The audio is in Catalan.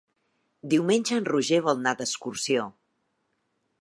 Diumenge en Roger vol anar d'excursió.